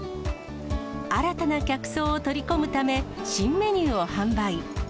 新たな客層を取り込むため、新メニューを販売。